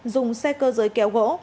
dùng xe cơ giới kéo gỗ